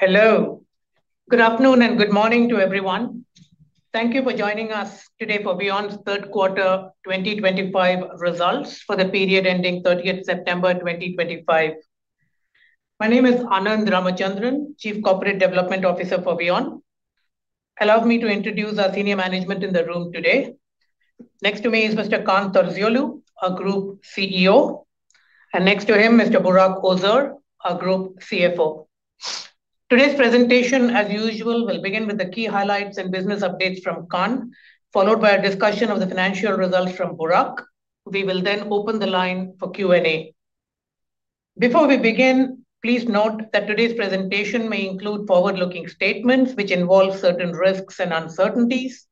Hello. Good afternoon and good morning to everyone. Thank you for joining us today for VEON's Third Quarter 2025 results for the period ending 30th September 2025. My name is Anand Ramachandran, Chief Corporate Development Officer for VEON. Allow me to introduce our senior management in the room today. Next to me is Mr. Kaan Terzioğlu, Group CEO, and next to him, Mr. Burak Özer, Group CFO. Today's presentation, as usual, will begin with the key highlights and business updates from Kaan, followed by a discussion of the financial results from Burak. We will then open the line for Q&A. Before we begin, please note that today's presentation may include forward-looking statements which involve certain risks and uncertainties.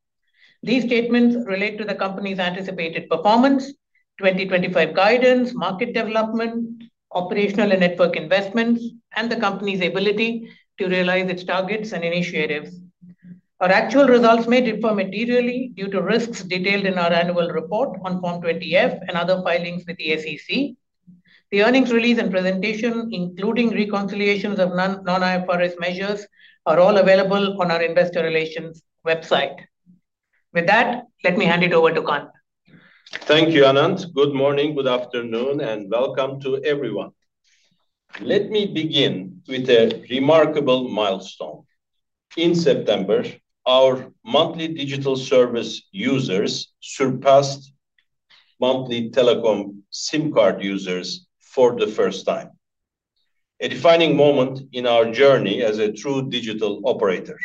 These statements relate to the company's anticipated performance, 2025 guidance, market development, operational and network investments, and the company's ability to realize its targets and initiatives. Our actual results may differ materially due to risks detailed in our annual report on Form 20-F and other filings with the SEC. The earnings release and presentation, including reconciliations of non-IFRS measures, are all available on our Investor Relations website. With that, let me hand it over to Kaan. Thank you, Anand. Good morning, good afternoon, and welcome to everyone. Let me begin with a remarkable milestone. In September, our monthly digital service users surpassed monthly Telecom SIM card users for the first time, a defining moment in our journey as a true digital operator.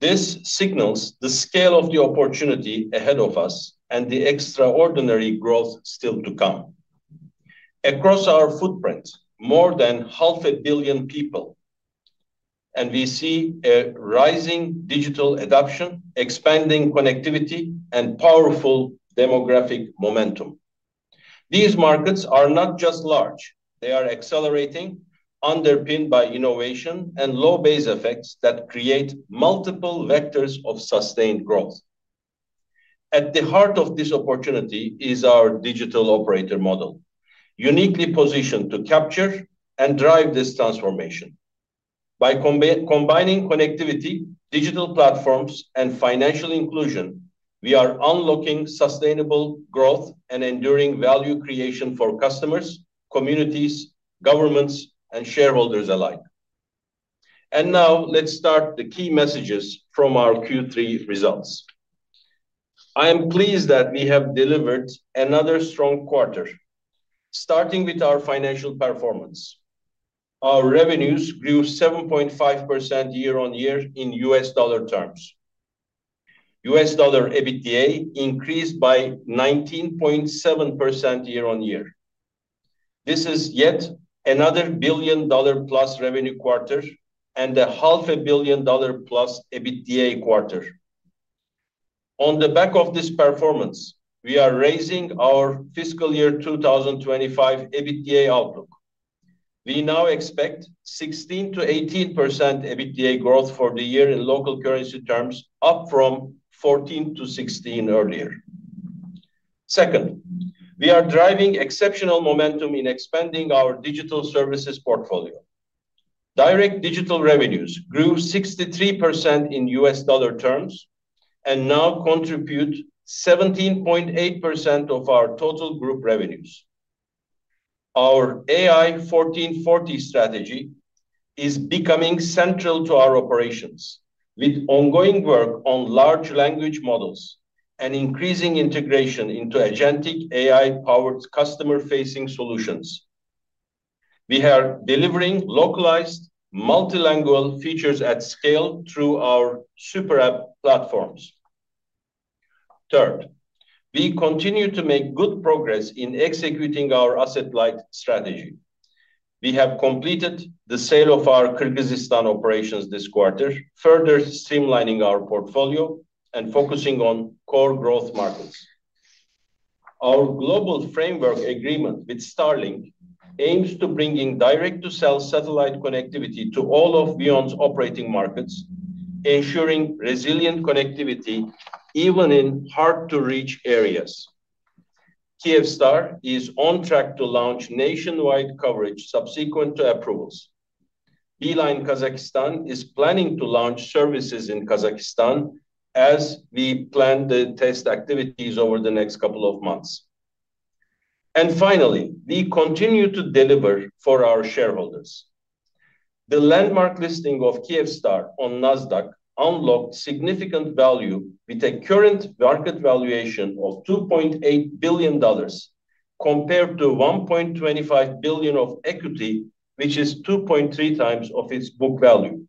This signals the scale of the opportunity ahead of us and the extraordinary growth still to come. Across our footprint, more than half a billion people, and we see a rising digital adoption, expanding connectivity, and powerful demographic momentum. These markets are not just large, they are accelerating, underpinned by innovation and low base effects that create multiple vectors of sustained growth. At the heart of this opportunity is our digital operator model, uniquely positioned to capture and drive this transformation. By combining connectivity, digital platforms, and financial inclusion, we are unlocking sustainable growth and enduring value creation for customers, communities, governments, and shareholders alike. Let's start the key messages from our Q3 results. I am pleased that we have delivered another strong quarter, starting with our financial performance. Our revenues grew 7.5% year-on-year in U.S. dollar terms. US dollar EBITDA increased by 19.7% year-on-year. This is yet another $1 billion+ revenue quarter and a $500 million + EBITDA quarter. On the back of this performance, we are raising our fiscal year 2025 EBITDA outlook. We now expect 16%-18% EBITDA growth for the year in local currency terms, up from 14%-16% earlier. Second, we are driving exceptional momentum in expanding our digital services portfolio. Direct digital revenues grew 63% in U.S. dollar terms and now contribute 17.8% of our total group revenues. Our AI1440 strategy is becoming central to our operations, with ongoing work on large language models and increasing integration into agentic AI-powered customer-facing solutions. We are delivering localized multilingual features at scale through our super app platforms. Third, we continue to make good progress in executing our asset-light strategy. We have completed the sale of our Kyrgyzstan operations this quarter, further streamlining our portfolio and focusing on core growth markets. Our global framework agreement with Starlink aims to bring direct-to-cell satellite connectivity to all of VEON's operating markets, ensuring resilient connectivity even in hard-to-reach areas. Kyivstar is on track to launch nationwide coverage subsequent to approvals. Beeline Kazakhstan is planning to launch services in Kazakhstan, as we plan the test activities over the next couple of months. Finally, we continue to deliver for our shareholders. The landmark listing of Kyivstar on Nasdaq unlocked significant value with a current market valuation of $2.8 billion, compared to $1.25 billion of equity, which is 2.3x its book value.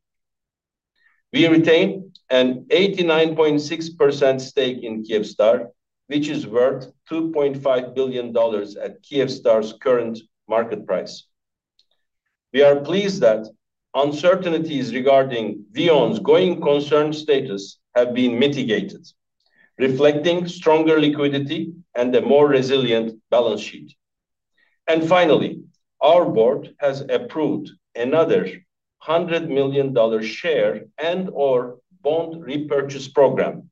We retain an 89.6% stake in Kyivstar, which is worth $2.5 billion at Kyivstar's current market price. We are pleased that uncertainties regarding VEON's going concern status have been mitigated, reflecting stronger liquidity and a more resilient balance sheet. Finally, our board has approved another $100 million share and/or bond repurchase program,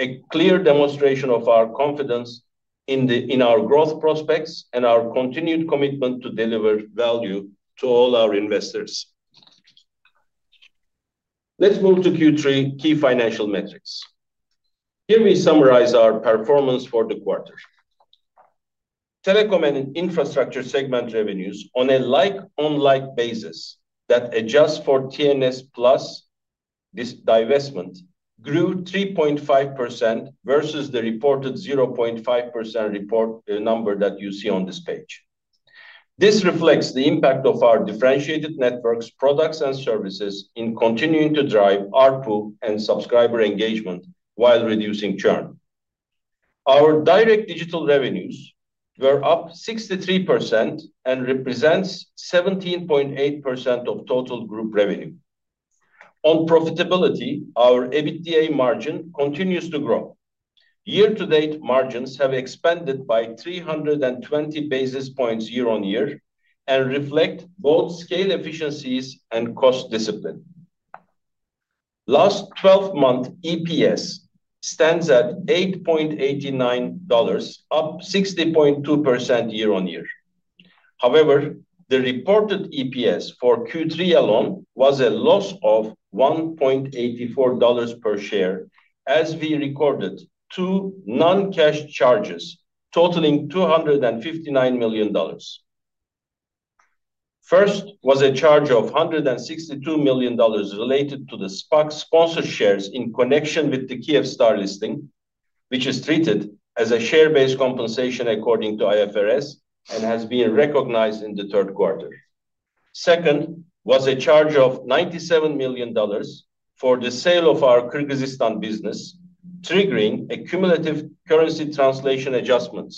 a clear demonstration of our confidence in our growth prospects and our continued commitment to deliver value to all our investors. Let's move to Q3 key financial metrics. Here we summarize our performance for the quarter. Telecom and infrastructure segment revenues on a like-on-like basis that adjusts for TNS+ divestment grew 3.5% versus the reported 0.5% report number that you see on this page. This reflects the impact of our differentiated networks, products, and services in continuing to drive our ARPU and subscriber engagement while reducing churn. Our direct digital revenues were up 63% and represent 17.8% of total group revenue. On profitability, our EBITDA margin continues to grow. Year-to-date margins have expanded by 320 basis points year-on-year and reflect both scale efficiencies and cost discipline. Last 12-month EPS stands at $8.89, up 60.2% year-on-year. However, the reported EPS for Q3 alone was a loss of $1.84 per share, as we recorded two non-cash charges totaling $259 million. First was a charge of $162 million related to the SPAC sponsor shares in connection with the Kyivstar listing, which is treated as a share-based compensation according to IFRS and has been recognized in the third quarter. Second was a charge of $97 million for the sale of our Kyrgyzstan business, triggering a cumulative currency translation adjustment.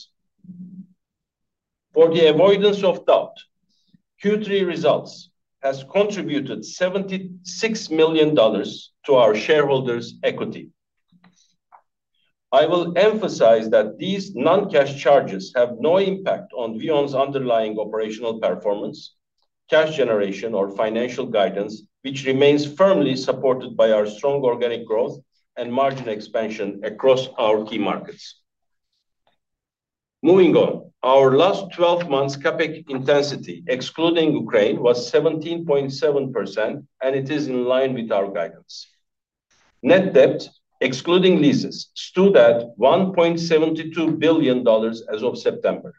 For the avoidance of doubt, Q3 results have contributed $76 million to our shareholders' equity. I will emphasize that these non-cash charges have no impact on VEON's underlying operational performance, cash generation, or financial guidance, which remains firmly supported by our strong organic growth and margin expansion across our key markets. Moving on, our last 12 months' CapEx intensity, excluding Ukraine, was 17.7%, and it is in line with our guidance. Net debt, excluding leases, stood at $1.72 billion as of September.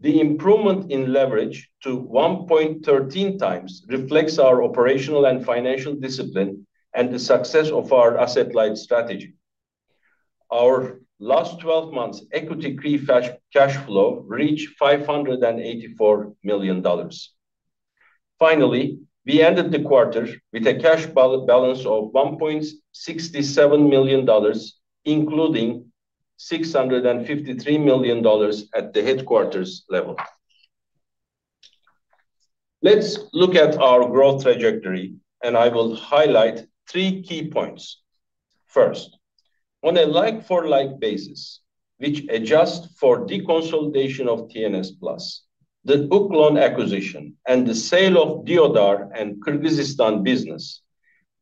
The improvement in leverage to 1.13x reflects our operational and financial discipline and the success of our asset-light strategy. Our last 12 months' equity cash flow reached $584 million. Finally, we ended the quarter with a cash balance of $1.67 billion, including $653 million at the headquarters level. Let's look at our growth trajectory, and I will highlight three key points. First, on a like-for-like basis, which adjusts for deconsolidation of TNS+, the book loan acquisition, and the sale of Deodar and Kyrgyzstan business,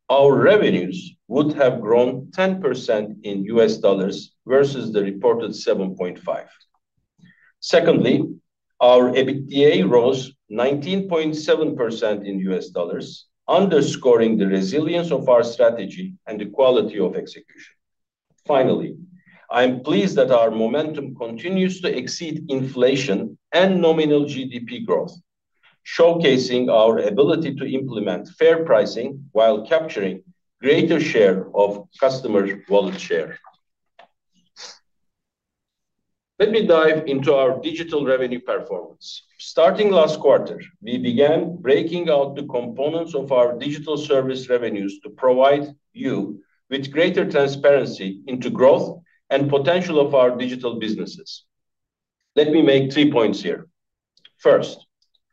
our revenues would have grown 10% in U.S. dollars versus the reported 7.5%. Secondly, our EBITDA rose 19.7% in U.S. dollars, underscoring the resilience of our strategy and the quality of execution. Finally, I am pleased that our momentum continues to exceed inflation and nominal GDP growth, showcasing our ability to implement fair pricing while capturing a greater share of customer wallet share. Let me dive into our digital revenue performance. Starting last quarter, we began breaking out the components of our digital service revenues to provide you with greater transparency into growth and potential of our digital businesses. Let me make three points here. First,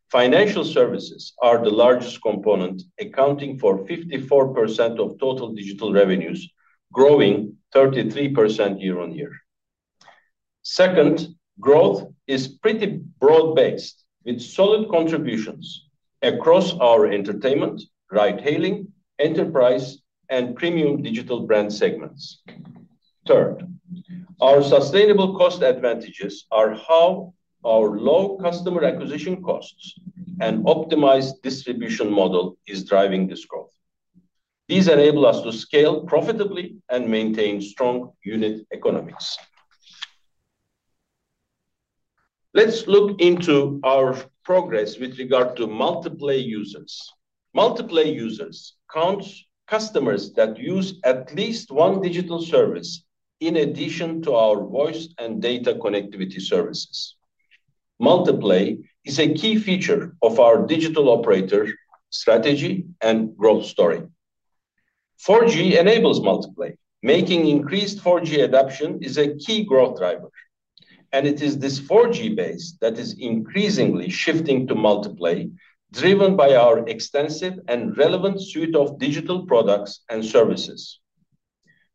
financial services are the largest component, accounting for 54% of total digital revenues, growing 33% year-on-year. Second, growth is pretty broad-based, with solid contributions across our entertainment, ride-hailing, enterprise, and premium digital brand segments. Third, our sustainable cost advantages are how our low customer acquisition costs and optimized distribution model are driving this growth. These enable us to scale profitably and maintain strong unit economics. Let's look into our progress with regard to Multiplay users. Multiplay users count customers that use at least one digital service in addition to our voice and data connectivity services. Multiplay is a key feature of our digital operator strategy and growth story. 4G enables Multiplay, making increased 4G adoption a key growth driver. It is this 4G base that is increasingly shifting to Multiplay, driven by our extensive and relevant suite of digital products and services.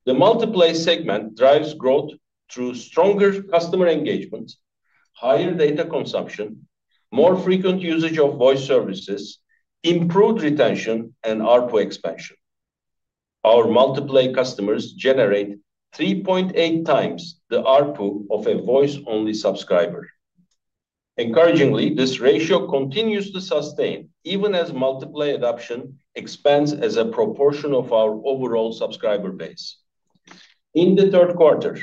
The Multiplay segment drives growth through stronger customer engagement, higher data consumption, more frequent usage of voice services, improved retention, and ARPU expansion. Our Multiplay customers generate 3.8x the ARPU of a voice-only subscriber. Encouragingly, this ratio continues to sustain even as Multiplay adoption expands as a proportion of our overall subscriber base. In the third quarter,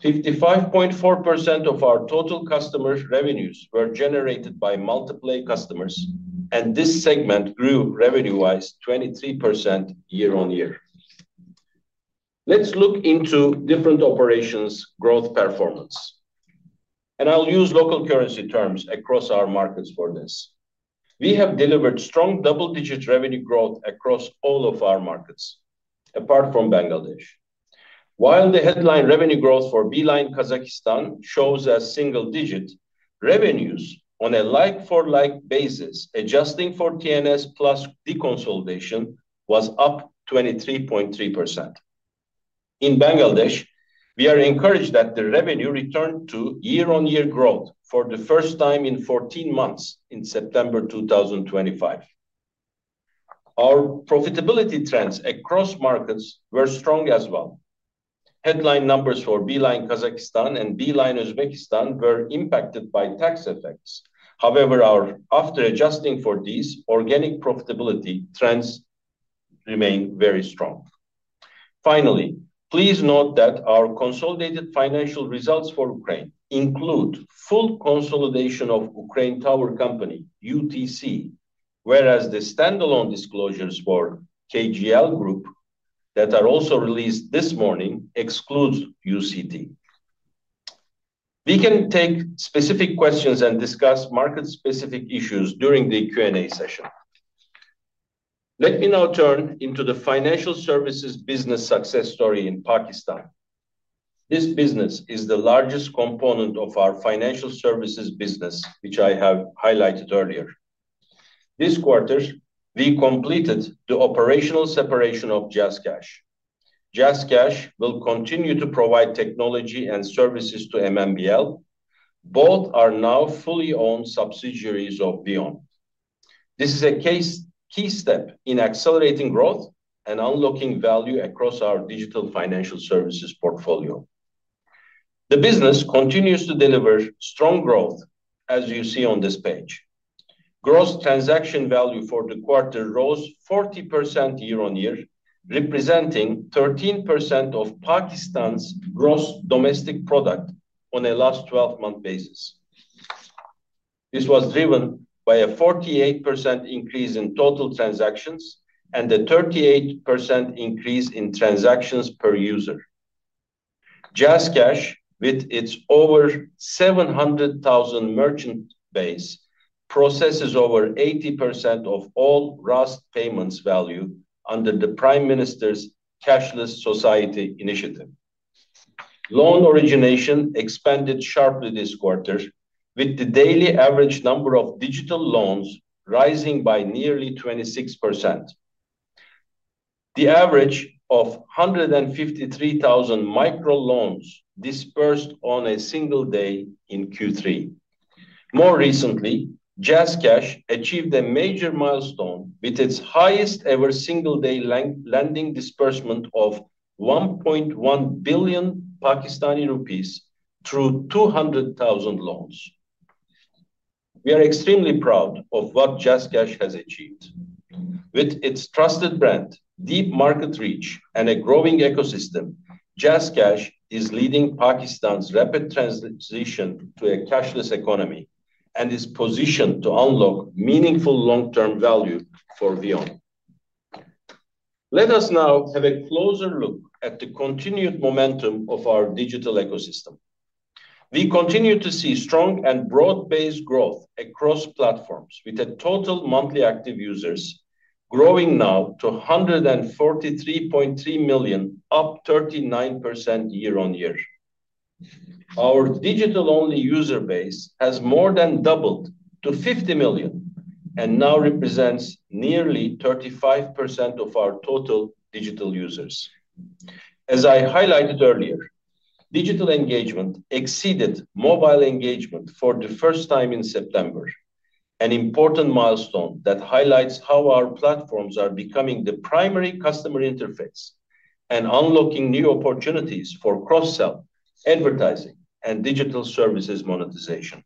55.4% of our total customer revenues were generated by Multiplay customers, and this segment grew revenue-wise 23% year-on-year. Let's look into different operations' growth performance. I'll use local currency terms across our markets for this. We have delivered strong double-digit revenue growth across all of our markets, apart from Bangladesh. While the headline revenue growth for Beeline Kazakhstan shows a single digit, revenues on a like-for-like basis, adjusting for TNS+ deconsolidation, were up 23.3%. In Bangladesh, we are encouraged that the revenue returned to year-on-year growth for the first time in 14 months in September 2025. Our profitability trends across markets were strong as well. Headline numbers for Beeline Kazakhstan and Beeline Uzbekistan were impacted by tax effects. However, after adjusting for these, organic profitability trends remain very strong. Finally, please note that our consolidated financial results for Ukraine include full consolidation of Ukraine Tower Company UTC, whereas the standalone disclosures for KGL Group that are also released this morning exclude UTC. We can take specific questions and discuss market-specific issues during the Q&A session. Let me now turn into the financial services business success story in Pakistan. This business is the largest component of our financial services business, which I have highlighted earlier. This quarter, we completed the operational separation of JazzCash. JazzCash will continue to provide technology and services to MMBL. Both are now fully-owned subsidiaries of VEON. This is a key step in accelerating growth and unlocking value across our digital financial services portfolio. The business continues to deliver strong growth, as you see on this page. Gross transaction value for the quarter rose 40% year-on-year, representing 13% of Pakistan's gross domestic product on a last 12-month basis. This was driven by a 48% increase in total transactions and a 38% increase in transactions per user. JazzCash, with its over 700,000 merchant base, processes over 80% of all Raast payments value under the Prime Minister's Cashless Society initiative. Loan origination expanded sharply this quarter, with the daily average number of digital loans rising by nearly 26%. The average of 153,000 microloans disbursed on a single day in Q3. More recently, JazzCash achieved a major milestone with its highest-ever single-day lending disbursement of PKR 1.1 billion through 200,000 loans. We are extremely proud of what JazzCash has achieved. With its trusted brand, deep market reach, and a growing ecosystem, JazzCash is leading Pakistan's rapid transition to a cashless economy and is positioned to unlock meaningful long-term value for VEON. Let us now have a closer look at the continued momentum of our digital ecosystem. We continue to see strong and broad-based growth across platforms, with total monthly active users growing now to 143.3 million, up 39% year-on-year. Our digital-only user base has more than doubled to 50 million and now represents nearly 35% of our total digital users. As I highlighted earlier, digital engagement exceeded mobile engagement for the first time in September, an important milestone that highlights how our platforms are becoming the primary customer interface and unlocking new opportunities for cross-sell advertising and digital services monetization.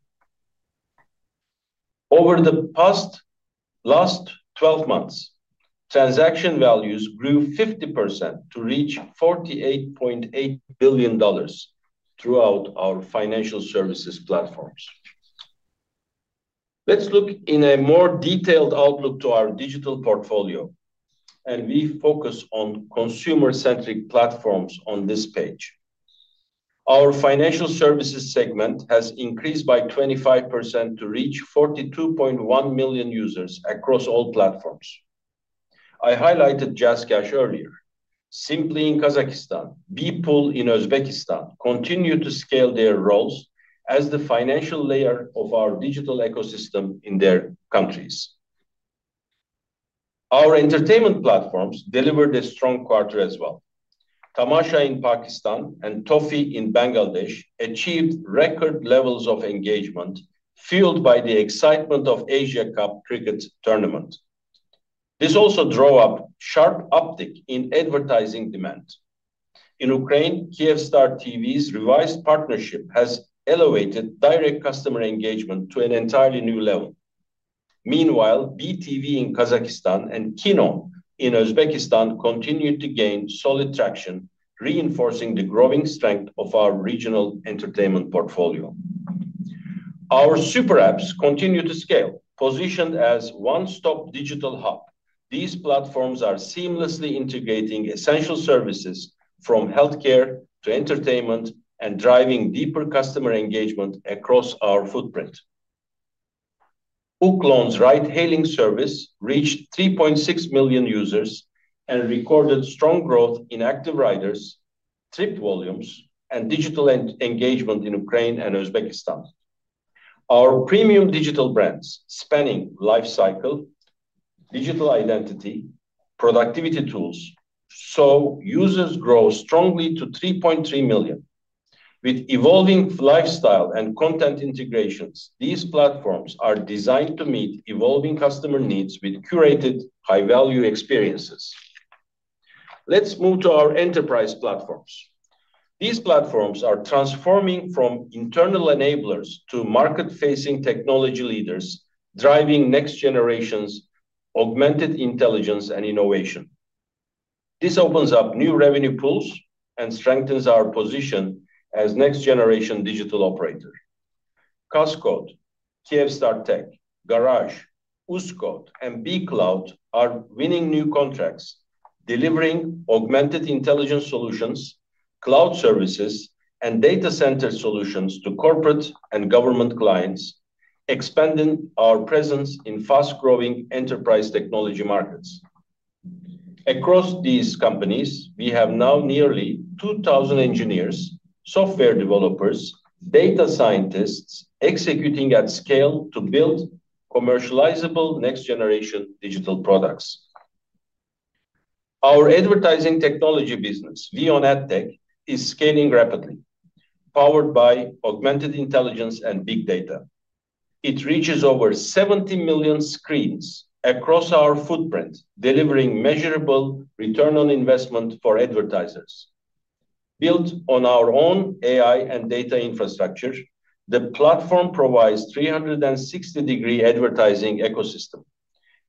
Over the past 12 months, transaction values grew 50% to reach $48.8 billion throughout our financial services platforms. Let's look in a more detailed outlook to our digital portfolio, and we focus on consumer-centric platforms on this page. Our financial services segment has increased by 25% to reach 42.1 million users across all platforms. I highlighted JazzCash earlier. Simply in Kazakhstan, Beepul in Uzbekistan continue to scale their roles as the financial layer of our digital ecosystem in their countries. Our entertainment platforms delivered a strong quarter as well. Tamasha in Pakistan and Toffee in Bangladesh achieved record levels of engagement, fueled by the excitement of the Asia Cup Cricket Tournament. This also drove a sharp uptick in advertising demand. In Ukraine, Kyivstar TV's revised partnership has elevated direct customer engagement to an entirely new level. Meanwhile, BTV in Kazakhstan and KINOM in Uzbekistan continued to gain solid traction, reinforcing the growing strength of our regional entertainment portfolio. Our super apps continue to scale. Positioned as one-stop digital hubs, these platforms are seamlessly integrating essential services from healthcare to entertainment and driving deeper customer engagement across our footprint. Hook ride-hailing service reached 3.6 million users and recorded strong growth in active riders, trip volumes, and digital engagement in Ukraine and Uzbekistan. Our premium digital brands, spanning lifecycle, digital identity, and productivity tools, saw users grow strongly to 3.3 million. With evolving lifestyle and content integrations, these platforms are designed to meet evolving customer needs with curated, high-value experiences. Let's move to our enterprise platforms. These platforms are transforming from internal enablers to market-facing technology leaders, driving next generation's augmented intelligence and innovation. This opens up new revenue pools and strengthens our position as next-generation digital operator. Costco, Kyivstar Tech, Garage, USCO, and BeeCloud are winning new contracts, delivering augmented intelligence solutions, cloud services, and data center solutions to corporate and government clients, expanding our presence in fast-growing enterprise technology markets. Across these companies, we have now nearly 2,000 engineers, software developers, and data scientists executing at scale to build commercializable next-generation digital products. Our advertising technology business, VEON AdTech, is scaling rapidly, powered by augmented intelligence and big data. It reaches over 70 million screens across our footprint, delivering measurable return on investment for advertisers. Built on our own AI and data infrastructure, the platform provides a 360-degree advertising ecosystem,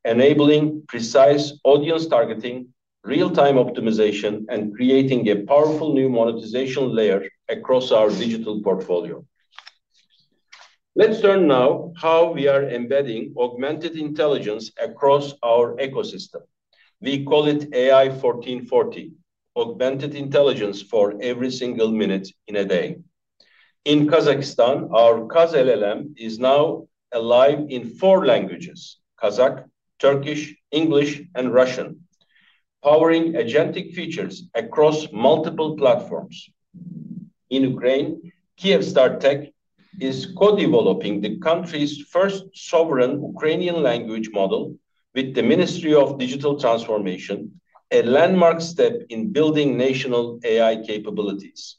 enabling precise audience targeting, real-time optimization, and creating a powerful new monetization layer across our digital portfolio. Let's learn now how we are embedding augmented intelligence across our ecosystem. We call it AI1440, augmented intelligence for every single minute in a day. In Kazakhstan, our Kaz-LLM is now live in four languages: Kazakh, Turkish, English, and Russian, powering agentic features across multiple platforms. In Ukraine, Kyivstar Tech is co-developing the country's first sovereign Ukrainian language model with the Ministry of Digital Transformation, a landmark step in building national AI capabilities.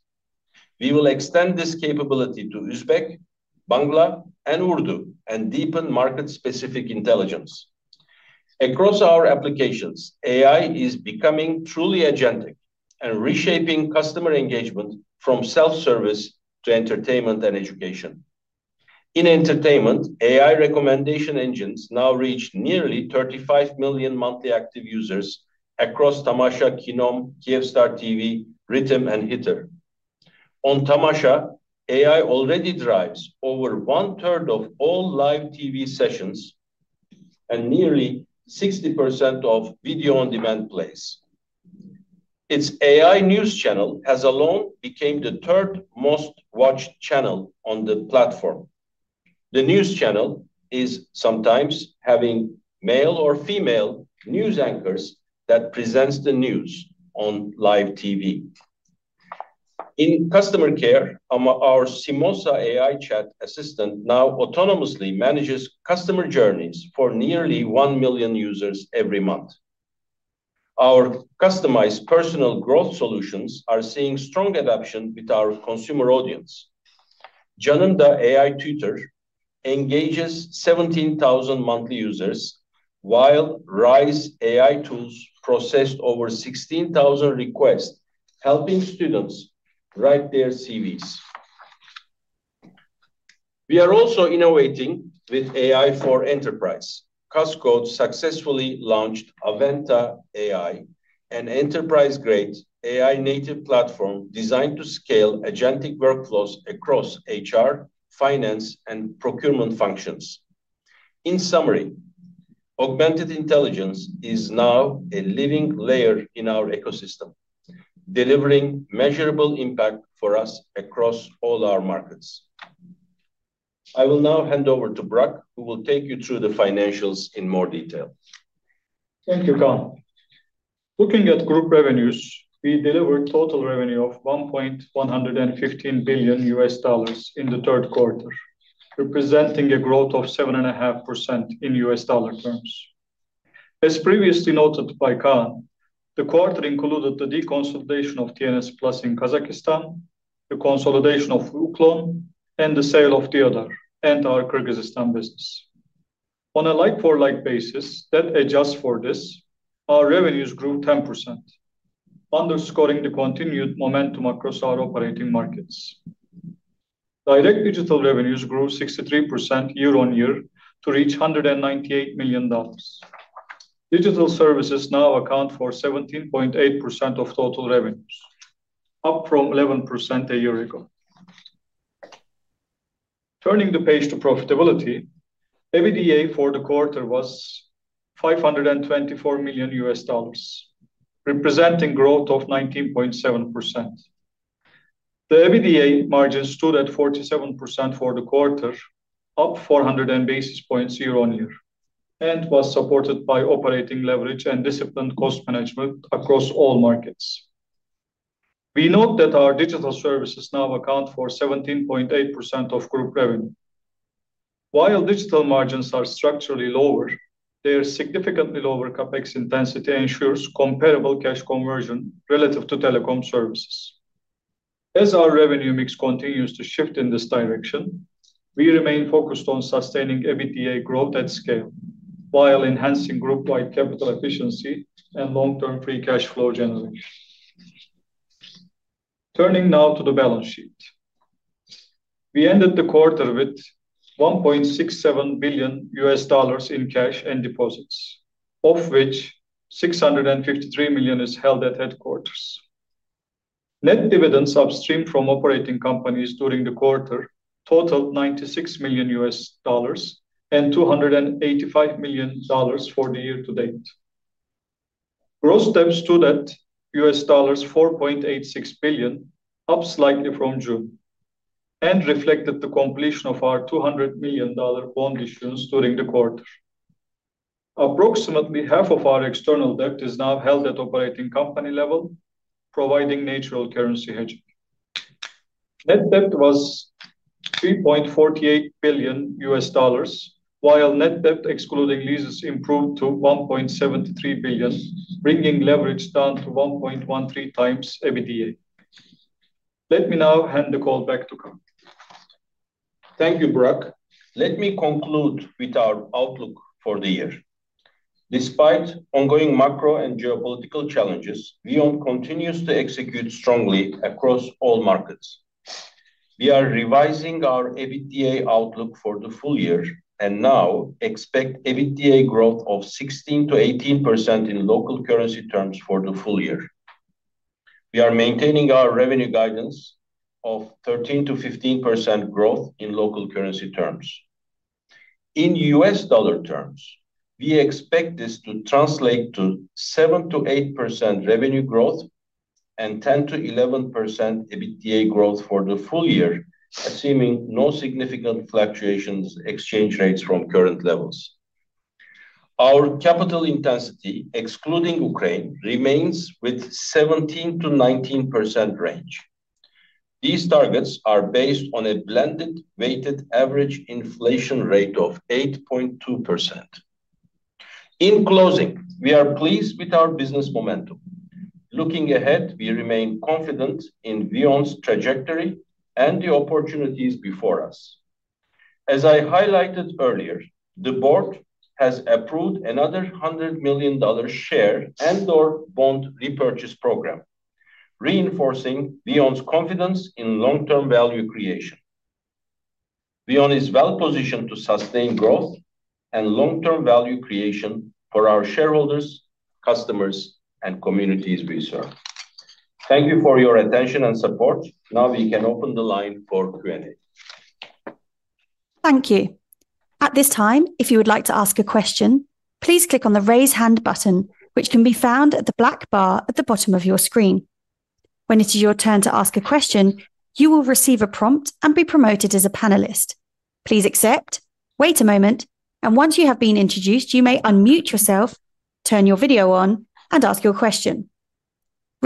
We will extend this capability to Uzbek, Bangla, and Urdu, and deepen market-specific intelligence. Across our applications, AI is becoming truly agentic and reshaping customer engagement from self-service to entertainment and education. In entertainment, AI recommendation engines now reach nearly 35 million monthly active users across Tamasha, KINOM, Kyivstar TV, Rytm, and Hitter. On Tamasha, AI already drives over one-third of all live TV sessions and nearly 60% of video on-demand plays. Its AI news channel has long become the third most-watched channel on the platform. The news channel is sometimes having male or female news anchors that present the news on live TV. In customer care, our SIMOSA AI Chat Assistant now autonomously manages customer journeys for nearly 1 million users every month. Our customized personal growth solutions are seeing strong adoption with our consumer audience. Janymda AI Tutor engages 17,000 monthly users, while RYZE AI tools process over 16,000 requests, helping students write their CVs. We are also innovating with AI for enterprise. Costco successfully launched Aventa AI, an enterprise-grade AI-native platform designed to scale agentic workflows across HR, finance, and procurement functions. In summary, augmented intelligence is now a living layer in our ecosystem, delivering measurable impact for us across all our markets. I will now hand over to Burak, who will take you through the financials in more detail. Thank you, Kaan. Looking at group revenues, we delivered total revenue of $1.115 billion in the third quarter, representing a growth of 7.5% in U.S. Dollar terms. As previously noted by Kaan, the quarter included the deconsolidation of TNS+ in Kazakhstan, the consolidation of Uklon, and the sale of the entire Kyrgyzstan business. On a like-for-like basis that adjusts for this, our revenues grew 10%, underscoring the continued momentum across our operating markets. Direct digital revenues grew 63% year-on-year to reach $198 million. Digital services now account for 17.8% of total revenues, up from 11% a year ago. Turning the page to profitability, EBITDA for the quarter was $524 million, representing a growth of 19.7%. The EBITDA margin stood at 47% for the quarter, up 400 basis points year-on-year, and was supported by operating leverage and disciplined cost management across all markets. We note that our digital services now account for 17.8% of group revenue. While digital margins are structurally lower, their significantly lower CapEx intensity ensures comparable cash conversion relative to telecom services. As our revenue mix continues to shift in this direction, we remain focused on sustaining EBITDA growth at scale, while enhancing group-wide capital efficiency and long-term free cash flow generation. Turning now to the balance sheet, we ended the quarter with $1.67 billion in cash and deposits, of which $653 million is held at headquarters. Net dividends upstream from operating companies during the quarter totaled $96 million and $285 million for the year to date. Gross debt stood at $4.86 billion, up slightly from June, and reflected the completion of our $200 million bond issues during the quarter. Approximately half of our external debt is now held at operating company level, providing natural currency hedging. Net debt was $3.48 billion, while net debt excluding leases improved to $1.73 billion, bringing leverage down to 1.13x EBITDA. Let me now hand the call back to Kaan. Thank you, Burak. Let me conclude with our outlook for the year. Despite ongoing macro and geopolitical challenges, VEON continues to execute strongly across all markets. We are revising our EBITDA outlook for the full year and now expect EBITDA growth of 16%-18% in local currency terms for the full year. We are maintaining our revenue guidance of 13%-15% growth in local currency terms. In U.S. Dollar terms, we expect this to translate to 7%-8% revenue growth and 10%-11% EBITDA growth for the full year, assuming no significant fluctuations in exchange rates from current levels. Our capital intensity, excluding Ukraine, remains with a 17%-19% range. These targets are based on a blended weighted average inflation rate of 8.2%. In closing, we are pleased with our business momentum. Looking ahead, we remain confident in VEON's trajectory and the opportunities before us. As I highlighted earlier, the board has approved another $100 million share and/or bond repurchase program, reinforcing VEON's confidence in long-term value creation. VEON is well-positioned to sustain growth and long-term value creation for our shareholders, customers, and communities we serve. Thank you for your attention and support. Now we can open the line for Q&A. Thank you. At this time, if you would like to ask a question, please click on the raise hand button, which can be found at the black bar at the bottom of your screen. When it is your turn to ask a question, you will receive a prompt and be promoted as a panelist. Please accept, wait a moment, and once you have been introduced, you may unmute yourself, turn your video on, and ask your question.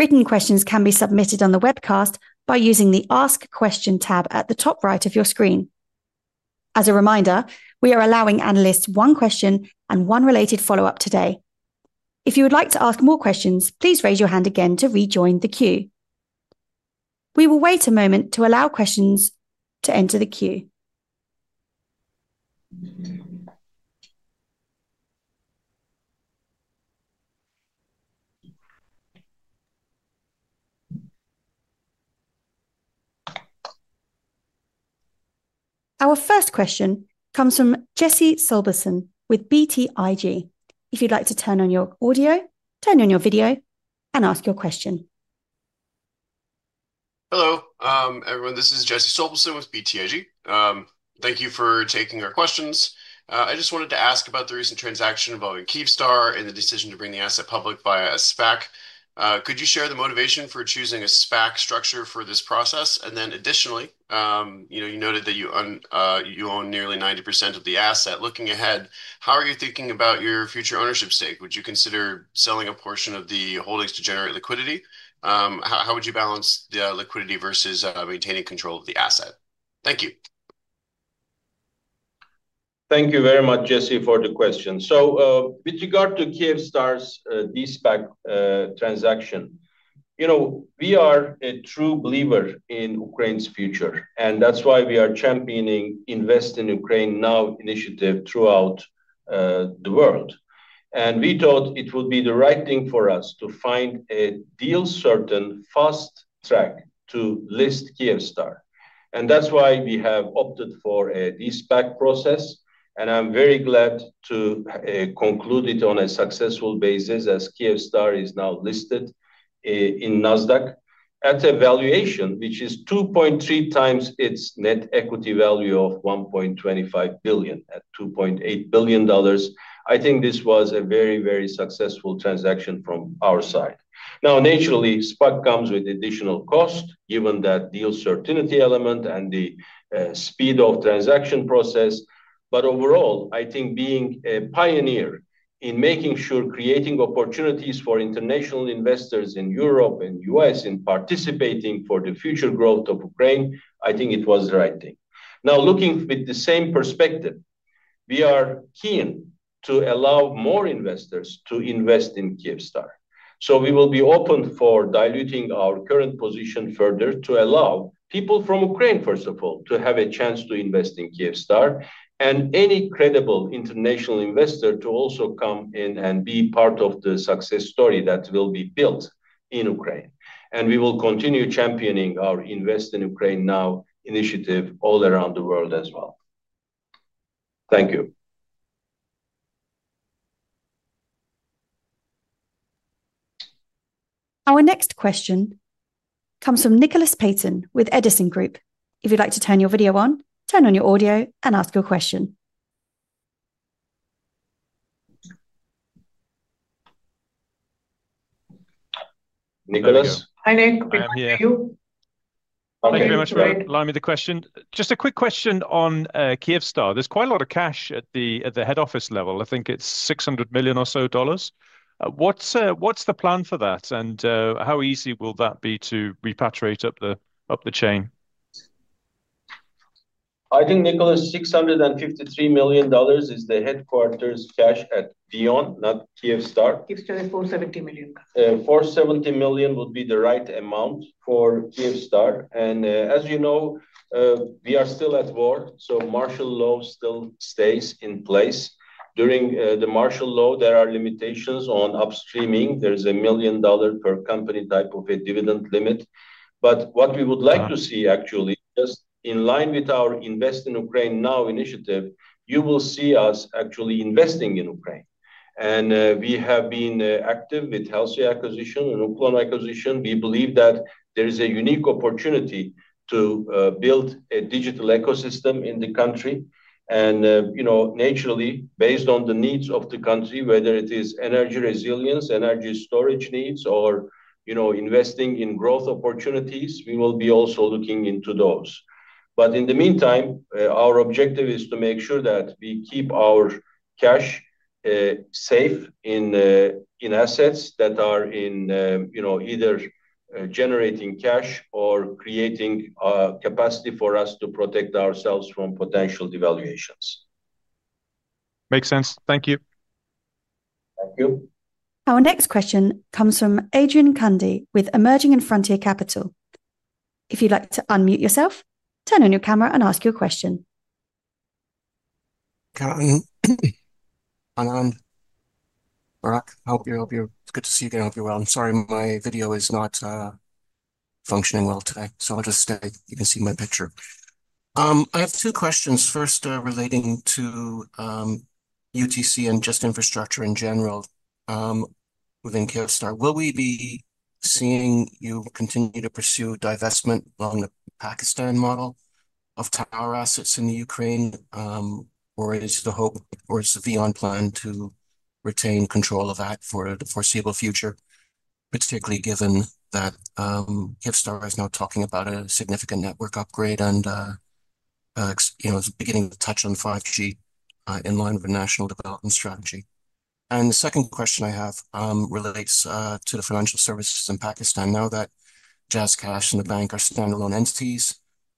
Written questions can be submitted on the webcast by using the Ask Question tab at the top right of your screen. As a reminder, we are allowing analysts one question and one related follow-up today. If you would like to ask more questions, please raise your hand again to rejoin the queue. We will wait a moment to allow questions to enter the queue. Our first question comes from Jesse Sobelson with BTIG. If you'd like to turn on your audio, turn on your video, and ask your question. Hello, everyone. This is Jesse Sobelson with BTIG. Thank you for taking our questions. I just wanted to ask about the recent transaction involving Kyivstar and the decision to bring the asset public via a SPAC. Could you share the motivation for choosing a SPAC structure for this process? Additionally, you noted that you own nearly 90% of the asset. Looking ahead, how are you thinking about your future ownership stake? Would you consider selling a portion of the holdings to generate liquidity? How would you balance the liquidity versus maintaining control of the asset? Thank you. Thank you very much, Jesse, for the question. With regard to Kyivstar's de-SPAC transaction, we are a true believer in Ukraine's future, and that is why we are championing the Invest in Ukraine Now initiative throughout the world. We thought it would be the right thing for us to find a deal-certain, fast track to list Kyivstar. That is why we have opted for a de-SPAC process, and I am very glad to conclude it on a successful basis as Kyivstar is now listed in Nasdaq at a valuation which is 2.3x its net equity value of $1.25 billion, at $2.8 billion. I think this was a very, very successful transaction from our side. Naturally, SPAC comes with additional cost, given that deal certainty element and the speed of transaction process. Overall, I think being a pioneer in making sure creating opportunities for international investors in Europe and the U.S. in participating for the future growth of Ukraine, I think it was the right thing. Now, looking with the same perspective, we are keen to allow more investors to invest in Kyivstar. We will be open for diluting our current position further to allow people from Ukraine, first of all, to have a chance to invest in Kyivstar and any credible international investor to also come in and be part of the success story that will be built in Ukraine. We will continue championing our Invest in Ukraine Now initiative all around the world as well. Thank you. Our next question comes from Nicholas Paton with Edison Group. If you'd like to turn your video on, turn on your audio, and ask your question. Nicholas? Hi, Nick. Thank you. Thank you very much, Brock. Allow me the question. Just a quick question on Kyivstar. There's quite a lot of cash at the head office level. I think it's $600 million or so dollars. What's the plan for that, and how easy will that be to repatriate up the chain? I think, Nicholas, $653 million is the headquarters cash at VEON, not Kyivstar. $470 million would be the right amount for Kyivstar. As you know, we are still at war, so martial law still stays in place. During the martial law, there are limitations on upstreaming. There is a $1 million per company type of a dividend limit. What we would like to see, actually, just in line with our Invest in Ukraine Now initiative, you will see us actually investing in Ukraine. We have been active with Halsey acquisition and Uklon acquisition. We believe that there is a unique opportunity to build a digital ecosystem in the country. Naturally, based on the needs of the country, whether it is energy resilience, energy storage needs, or investing in growth opportunities, we will be also looking into those. In the meantime, our objective is to make sure that we keep our cash safe in assets that are either generating cash or creating capacity for us to protect ourselves from potential devaluations. Makes sense. Thank you. Thank you. Our next question comes from Adrian Cundy with Emerging & Frontier Capital. If you'd like to unmute yourself, turn on your camera and ask your question. Kaan, I hope you're good to see you. I hope you're well. I'm sorry my video is not functioning well today, so I'll just stay so you can see my picture. I have two questions. First, relating to UTC and just infrastructure in general within Kyivstar. Will we be seeing you continue to pursue divestment on the Pakistan model of tower assets in Ukraine, or is the hope or is the VEON plan to retain control of that for the foreseeable future, particularly given that Kyivstar is now talking about a significant network upgrade and is beginning to touch on 5G in line with the national development strategy? The second question I have relates to the financial services in Pakistan. Now that JazzCash and the bank are standalone entities,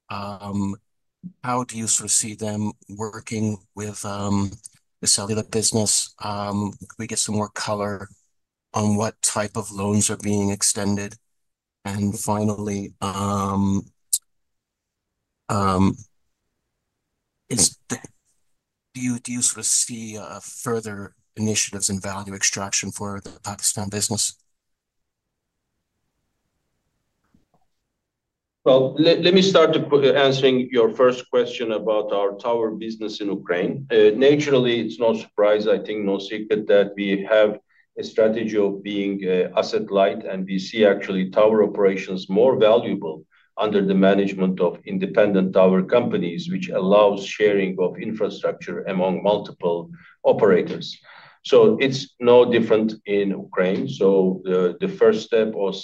how do you sort of see them working with the cellular business? Could we get some more color on what type of loans are being extended? Finally, do you sort of see further initiatives in value extraction for the Pakistan business? Let me start answering your first question about our Tower Business in Ukraine. Naturally, it's no surprise, I think, no secret that we have a strategy of being asset light, and we see actually Tower operations more valuable under the Management of Independent Tower companies, which allows sharing of infrastructure among multiple operators. It is no different in Ukraine. The first step of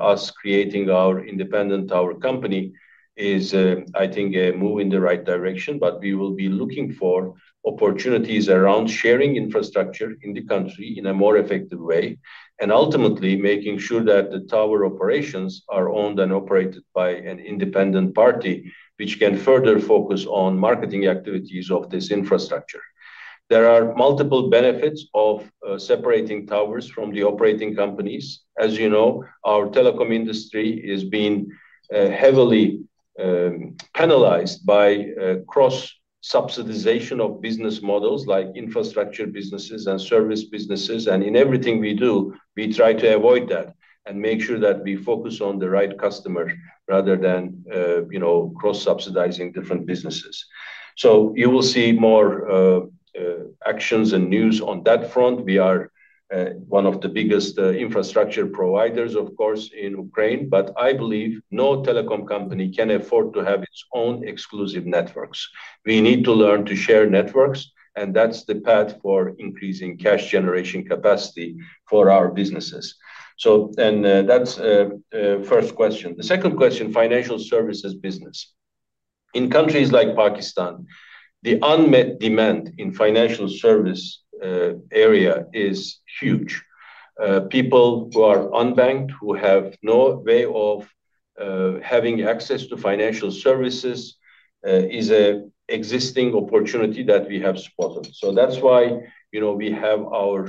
us creating our Independent Tower company is, I think, a move in the right direction, but we will be looking for opportunities around sharing infrastructure in the country in a more effective way, and ultimately making sure that the Tower operations are owned and operated by an independent party, which can further focus on marketing activities of this infrastructure. There are multiple benefits of separating towers from the operating companies. As you know, our telecom industry is being heavily penalized by cross-subsidization of business models like infrastructure businesses and service businesses. In everything we do, we try to avoid that and make sure that we focus on the right customers rather than cross-subsidizing different businesses. You will see more actions and news on that front. We are one of the biggest infrastructure providers, of course, in Ukraine, but I believe no telecom company can afford to have its own exclusive networks. We need to learn to share networks, and that is the path for increasing cash generation capacity for our businesses. That is the first question. The second question, financial services business. In countries like Pakistan, the unmet demand in the financial service area is huge. People who are unbanked, who have no way of having access to financial services, is an existing opportunity that we have spotted. That is why we have our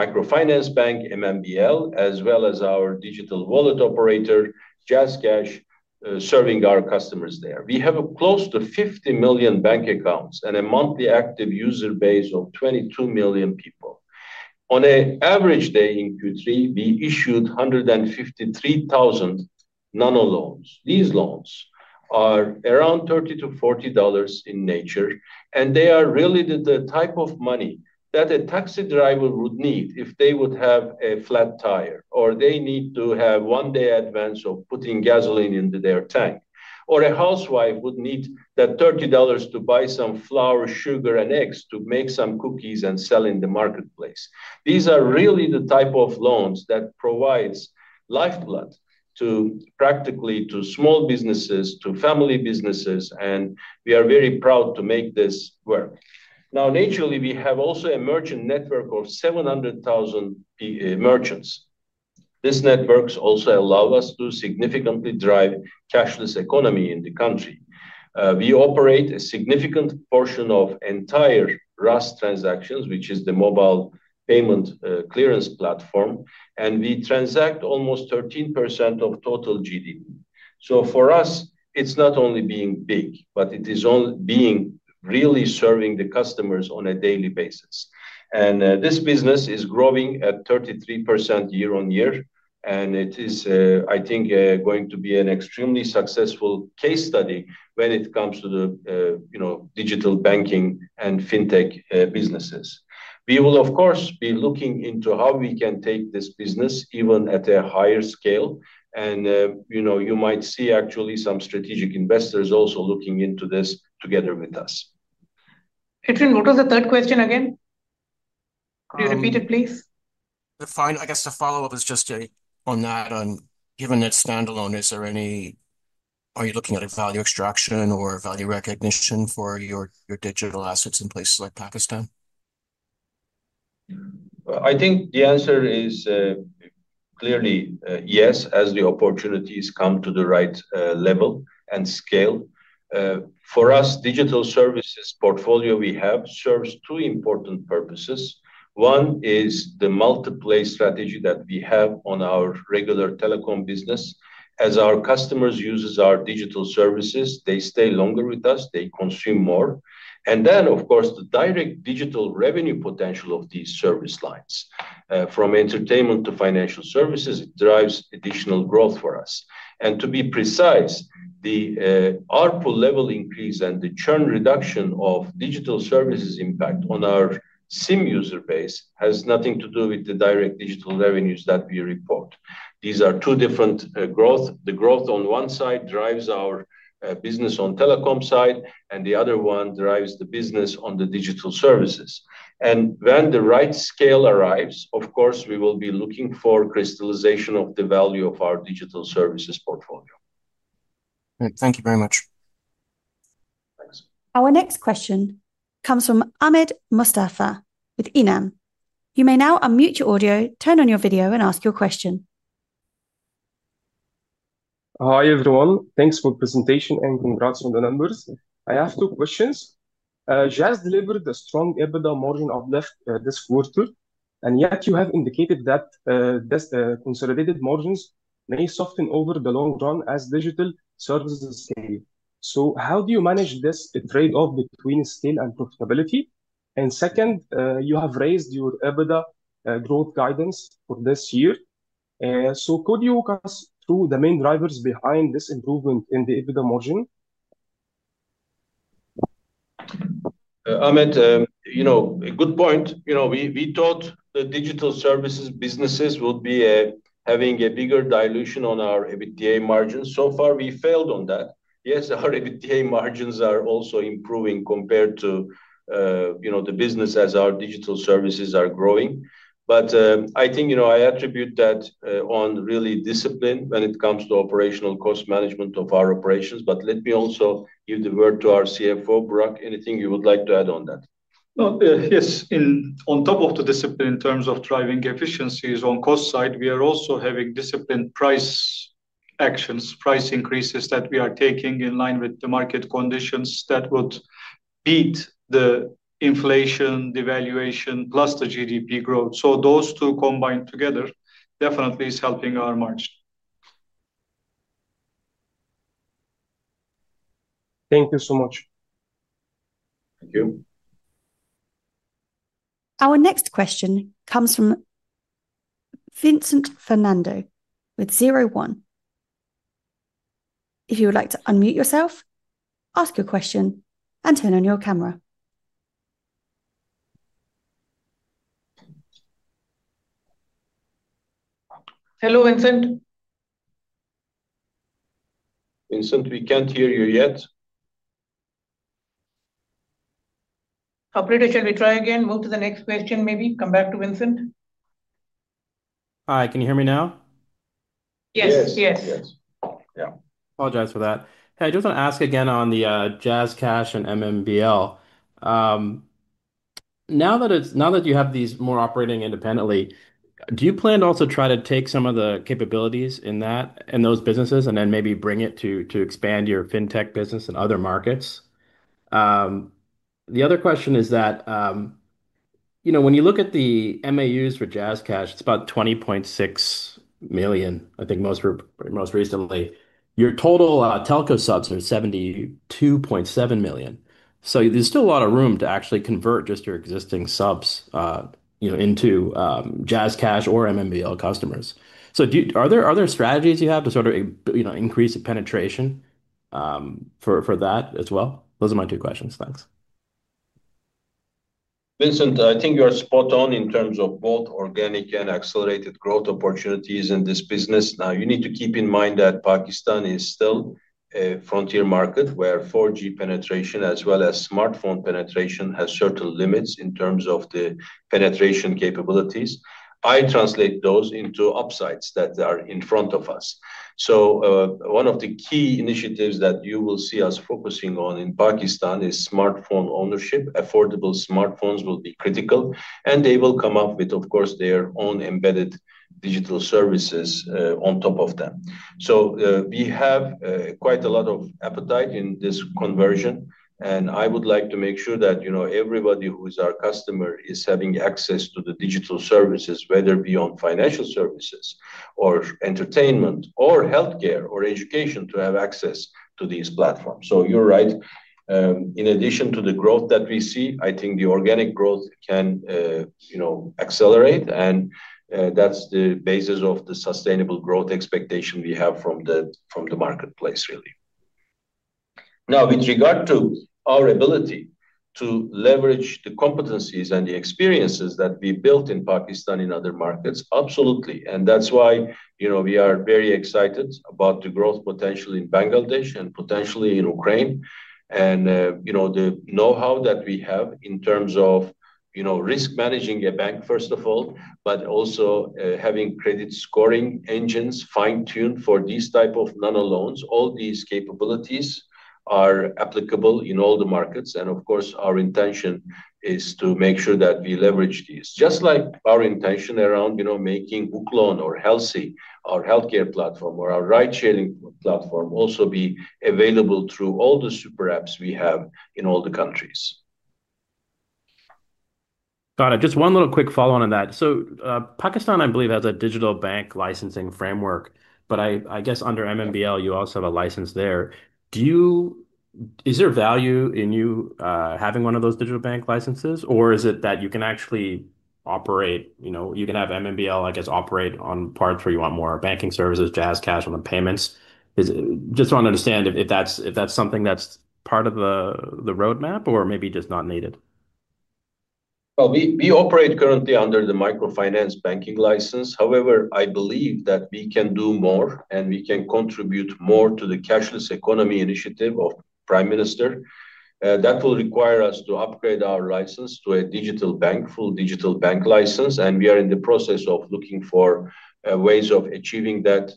microfinance bank, MMBL, as well as our digital wallet operator, JazzCash, serving our customers there. We have close to 50 million bank accounts and a monthly active user base of 22 million people. On an average day in Q3, we issued 153,000 nano loans. These loans are around $30-$40 in nature, and they are really the type of money that a taxi driver would need if they would have a flat tire, or they need to have one day advance of putting gasoline into their tank, or a housewife would need that $30 to buy some flour, sugar, and eggs to make some cookies and sell in the marketplace. These are really the type of loans that provide lifeblood practically to small businesses, to family businesses, and we are very proud to make this work. Now, naturally, we have also a merchant network of 700,000 merchants. This network also allows us to significantly drive the cashless economy in the country. We operate a significant portion of entire Raast transactions, which is the mobile payment clearance platform, and we transact almost 13% of total GDP. For us, it is not only being big, but it is being really serving the customers on a daily basis. This business is growing at 33% year-on-year, and it is, I think, going to be an extremely successful case study when it comes to the digital banking and fintech businesses. We will, of course, be looking into how we can take this business even at a higher scale, and you might see actually some strategic investors also looking into this together with us. Adrian, what was the third question again? Could you repeat it, please? I guess the follow-up is just on that. Given that standalone, is there any—are you looking at value extraction or value recognition for your digital assets in places like Pakistan? I think the answer is clearly yes, as the opportunities come to the right level and scale. For us, the digital services portfolio we have serves two important purposes. One is the Multiplay strategy that we have on our regular telecom business. As our customers use our digital services, they stay longer with us, they consume more. Of course, the direct digital revenue potential of these service lines, from entertainment to financial services, drives additional growth for us. To be precise, the ARPU level increase and the churn reduction of digital services impact on our SIM user base has nothing to do with the direct digital revenues that we report. These are two different growths. The growth on one side drives our business on the telecom side, and the other one drives the business on the digital services. When the right scale arrives, of course, we will be looking for crystallization of the value of our digital services portfolio. Thank you very much. Thanks. Our next question comes from Ahmed Mustafa with INAM. You may now unmute your audio, turn on your video, and ask your question. Hi, everyone. Thanks for the presentation and congrats on the numbers. I have two questions. Jazz delivered a strong EBITDA margin this quarter, and yet you have indicated that consolidated margins may soften over the long run as digital services scale. How do you manage this trade-off between scale and profitability? Second, you have raised your EBITDA growth guidance for this year. Could you walk us through the main drivers behind this improvement in the EBITDA margin? Ahmed, a good point. We thought the digital services businesses would be having a bigger dilution on our EBITDA margins. So far, we failed on that. Yes, our EBITDA margins are also improving compared to the business as our digital services are growing. I think I attribute that to really discipline when it comes to operational cost management of our operations. Let me also give the word to our CFO, Burak, anything you would like to add on that? Yes. On top of the discipline in terms of driving efficiencies on the cost side, we are also having disciplined price actions, price increases that we are taking in line with the market conditions that would beat the inflation, devaluation, plus the GDP growth. Those two combined together definitely are helping our margin. Thank you so much. Thank you. Our next question comes from Vincent Fernando with ZERO ONE. If you would like to unmute yourself, ask your question, and turn on your camera. Hello, Vincent. Vincent, we cannot hear you yet. Copy. Shall we try again? Move to the next question, maybe? Come back to Vincent. Hi. Can you hear me now? Yes. Yes. Yes. Yeah. Apologize for that. I just want to ask again on the JazzCash and MMBL. Now that you have these more operating independently, do you plan to also try to take some of the capabilities in those businesses and then maybe bring it to expand your fintech business in other markets? The other question is that when you look at the MAUs for JazzCash, it's about 20.6 million, I think most recently. Your total telco subs are 72.7 million. There is still a lot of room to actually convert just your existing subs into JazzCash or MMBL customers. Are there other strategies you have to sort of increase the penetration for that as well? Those are my two questions. Thanks. Vincent, I think you are spot on in terms of both organic and accelerated growth opportunities in this business. Now, you need to keep in mind that Pakistan is still a frontier market where 4G penetration, as well as smartphone penetration, has certain limits in terms of the penetration capabilities. I translate those into upsides that are in front of us. One of the key initiatives that you will see us focusing on in Pakistan is smartphone ownership. Affordable smartphones will be critical, and they will come up with, of course, their own embedded digital services on top of them. We have quite a lot of appetite in this conversion, and I would like to make sure that everybody who is our customer is having access to the digital services, whether beyond financial services or entertainment or healthcare or education, to have access to these platforms. You're right. In addition to the growth that we see, I think the organic growth can accelerate, and that's the basis of the sustainable growth expectation we have from the marketplace, really. Now, with regard to our ability to leverage the competencies and the experiences that we built in Pakistan in other markets, absolutely. That is why we are very excited about the growth potential in Bangladesh and potentially in Ukraine and the know-how that we have in terms of risk managing a bank, first of all, but also having credit scoring engines fine-tuned for these types of nano loans. All these capabilities are applicable in all the markets, and of course, our intention is to make sure that we leverage these. Just like our intention around making Uklon, our healthcare platform, or our ride-sharing platform also be available through all the super apps we have in all the countries. Got it. Just one little quick follow-on on that. Pakistan, I believe, has a digital bank licensing framework, but I guess under MMBL, you also have a license there. Is there value in you having one of those digital bank licenses, or is it that you can actually operate? You can have MMBL, I guess, operate on parts where you want more banking services, JazzCash on the payments. Just want to understand if that's something that's part of the roadmap or maybe just not needed. We operate currently under the microfinance banking license. However, I believe that we can do more, and we can contribute more to the cashless economy initiative of the Prime Minister. That will require us to upgrade our license to a digital bank, full digital bank license, and we are in the process of looking for ways of achieving that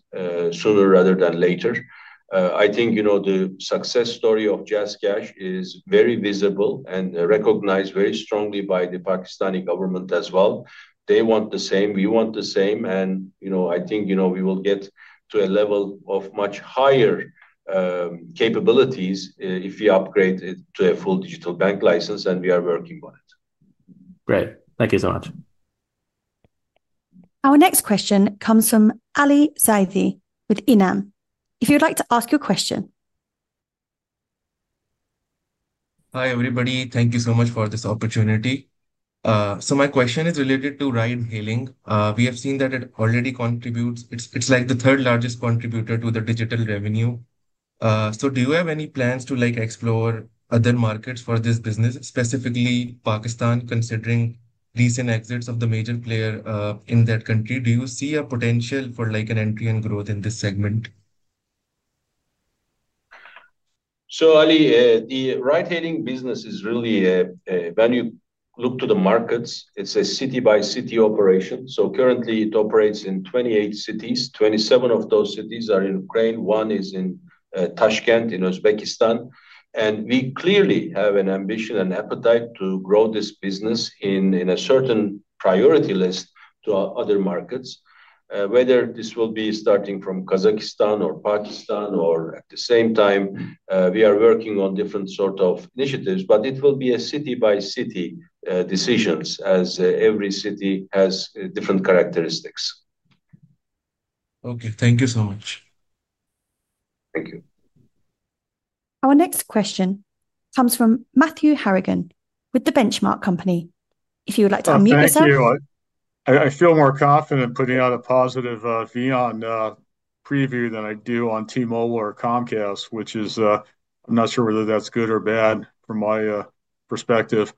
sooner rather than later. I think the success story of JazzCash is very visible and recognized very strongly by the Pakistani government as well. They want the same. We want the same. I think we will get to a level of much higher capabilities if we upgrade it to a full digital bank license, and we are working on it. Great. Thank you so much. Our next question comes from Ali Zaidi with INAM. If you'd like to ask your question. Hi, everybody. Thank you so much for this opportunity. My question is related to ride-hailing. We have seen that it already contributes. It's like the third largest contributor to the digital revenue. Do you have any plans to explore other markets for this business, specifically Pakistan, considering recent exits of the major player in that country? Do you see a potential for an entry and growth in this segment? Ali, the ride-hailing business is really a value look to the markets. It's a city-by-city operation. Currently, it operates in 28 cities. Twenty-seven of those cities are in Ukraine. One is in Tashkent in Uzbekistan. We clearly have an ambition and appetite to grow this business in a certain priority list to other markets, whether this will be starting from Kazakhstan or Pakistan or at the same time. We are working on different sorts of initiatives, but it will be a city-by-city decision as every city has different characteristics. Okay. Thank you so much. Thank you. Our next question comes from Matthew Harrigan with The Benchmark Company. If you would like to unmute yourself. Hi, Kaan I feel more confident putting out a positive VEON preview than I do on T-Mobile or Comcast, which is I'm not sure whether that's good or bad from my perspective.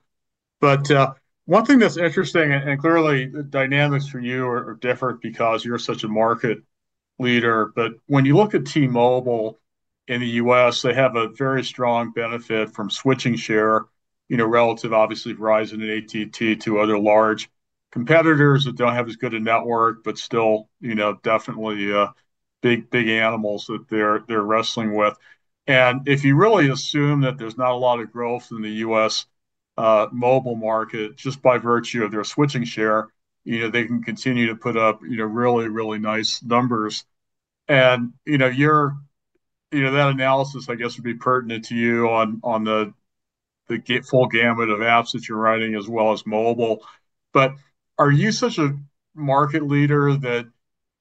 One thing that's interesting, and clearly the dynamics from you are different because you're such a market leader. When you look at T-Mobile in the U.S., they have a very strong benefit from switching share relative, obviously, to Verizon and AT&T, two other large competitors that do not have as good a network, but still definitely big, big animals that they're wrestling with. If you really assume that there's not a lot of growth in the U.S. mobile market just by virtue of their switching share, they can continue to put up really, really nice numbers. That analysis, I guess, would be pertinent to you on the full gamut of apps that you're writing as well as mobile. Are you such a market leader that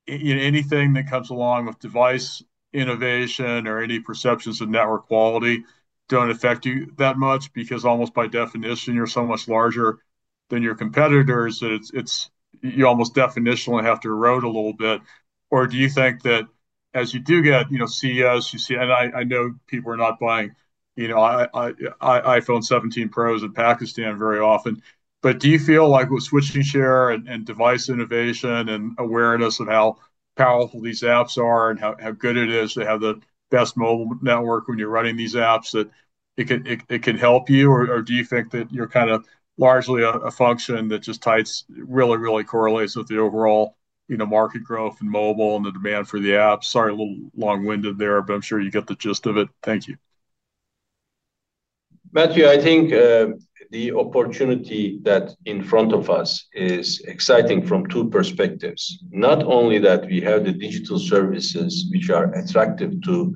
anything that comes along with device innovation or any perceptions of network quality do not affect you that much because almost by definition, you're so much larger than your competitors that you almost definitionally have to erode a little bit? Do you think that as you do get CES, you see—I know people are not buying iPhone 17 Pros in Pakistan very often—do you feel like with switching share and device innovation and awareness of how powerful these apps are and how good it is, they have the best mobile network when you're running these apps, that it can help you? Or do you think that you're kind of largely a function that just ties really, really correlates with the overall market growth and mobile and the demand for the apps? Sorry, a little long-winded there, but I'm sure you get the gist of it. Thank you. Matthew, I think the opportunity that's in front of us is exciting from two perspectives. Not only that we have the digital services which are attractive to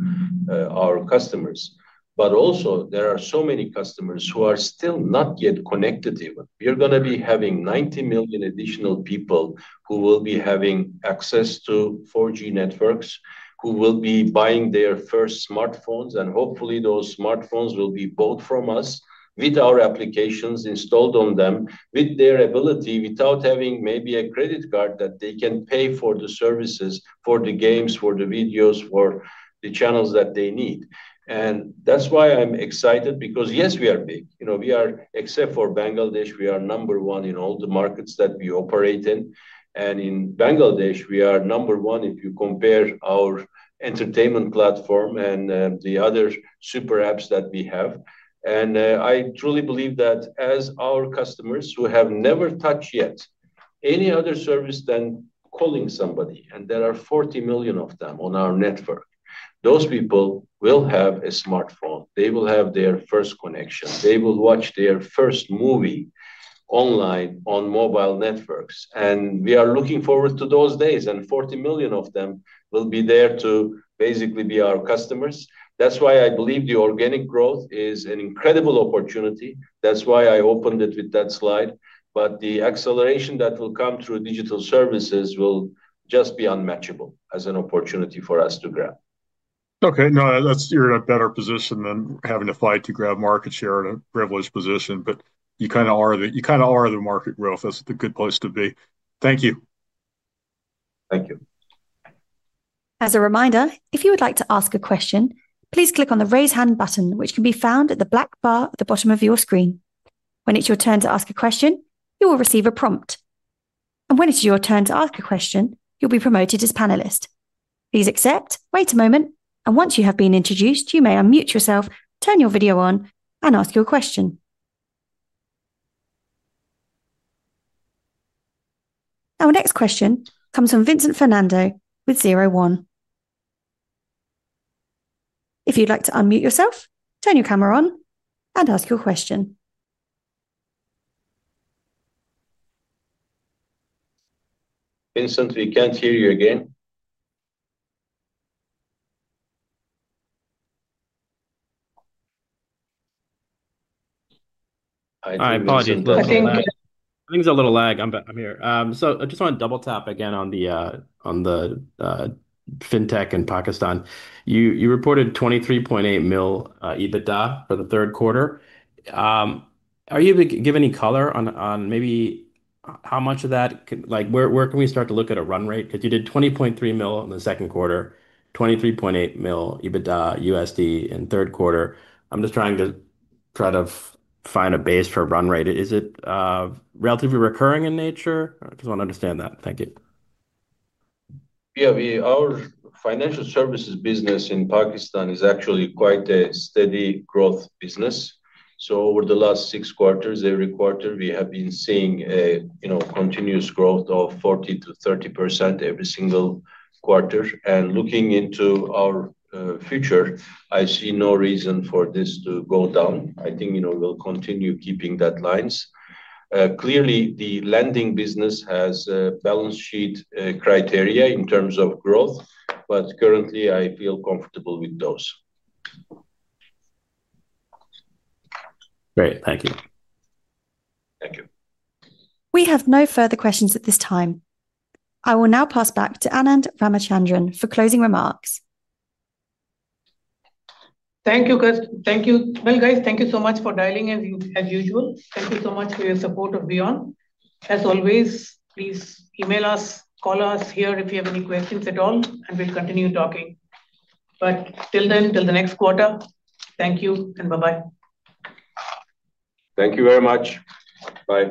our customers, but also there are so many customers who are still not yet connected even. We are going to be having 90 million additional people who will be having access to 4G networks, who will be buying their first smartphones, and hopefully those smartphones will be bought from us with our applications installed on them with their ability without having maybe a credit card that they can pay for the services, for the games, for the videos, for the channels that they need. That is why I'm excited because, yes, we are big. Except for Bangladesh, we are number one in all the markets that we operate in. In Bangladesh, we are number one if you compare our entertainment platform and the other super apps that we have. I truly believe that as our customers who have never touched yet any other service than calling somebody, and there are 40 million of them on our network, those people will have a smartphone. They will have their first connection. They will watch their first movie online on mobile networks. We are looking forward to those days, and 40 million of them will be there to basically be our customers. That is why I believe the organic growth is an incredible opportunity. That is why I opened it with that slide. The acceleration that will come through digital services will just be unmatchable as an opportunity for us to grab. Okay. No, you are in a better position than having to fight to grab market share in a privileged position, but you kind of are the, you kind of are the market growth. That is the good place to be. Thank you. Thank you. As a reminder, if you would like to ask a question, please click on the raise hand button, which can be found at the black bar at the bottom of your screen. When it's your turn to ask a question, you will receive a prompt. When it's your turn to ask a question, you'll be promoted as panelist. Please accept, wait a moment, and once you have been introduced, you may unmute yourself, turn your video on, and ask your question. Our next question comes from Vincent Fernando with ZERO ONE. If you'd like to unmute yourself, turn your camera on, and ask your question. Vincent, we can't hear you again. I apologize. I think there's a little lag. I'm here. I just want to double-tap again on the Fintech in Pakistan. You reported $23.8 million EBITDA for the third quarter. Are you able to give any color on maybe how much of that? Where can we start to look at a run rate? Because you did $20.3 million in the second quarter, $23.8 million EBITDA USD in third quarter. I'm just trying to try to find a base for a run rate. Is it relatively recurring in nature? I just want to understand that. Thank you. Yeah. Our financial services business in Pakistan is actually quite a steady growth business. Over the last six quarters, every quarter, we have been seeing a continuous growth of 40%-30% every single quarter. Looking into our future, I see no reason for this to go down. I think we'll continue keeping that lines. Clearly, the lending business has balance sheet criteria in terms of growth, but currently, I feel comfortable with those. Great. Thank you. Thank you. We have no further questions at this time. I will now pass back to Anand Ramachandran for closing remarks. Thank you, guys. Thank you. Guys, thank you so much for dialing in as usual. Thank you so much for your support of VEON. As always, please email us, call us here if you have any questions at all, and we will continue talking. Till then, till the next quarter, thank you and bye-bye. Thank you very much. Bye.